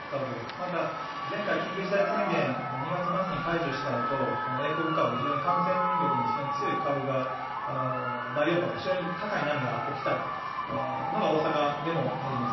また前回、緊急事態宣言、２月末に解除したあと、英国株、非常に感染力の非常に強い株が第４波が非常に高い波が起きたのが大阪でもあります。